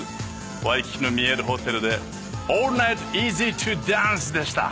ワイキキの見えるホテルでオールナイトイージートゥダンスでした。